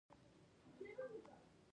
انا له نبوي اخلاقو الهام اخلي